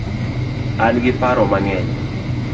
An gi paro mangeny